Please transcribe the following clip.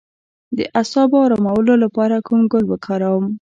د اعصابو ارامولو لپاره کوم ګل وکاروم؟